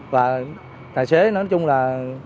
và tài xế nói chung là